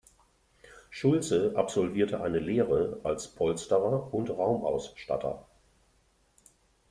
Schulze absolvierte eine Lehre als Polsterer und Raumausstatter.